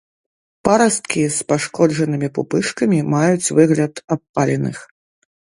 Парасткі з пашкоджанымі пупышкамі маюць выгляд абпаленых.